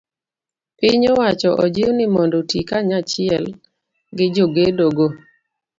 Piny owacho ojiw ni mondo oti kanachiel gi jogedo go.